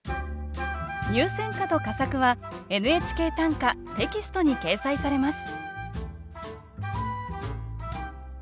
入選歌と佳作は「ＮＨＫ短歌」テキストに掲載されます